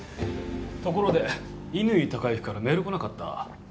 ところで乾貴之からメール来なかった？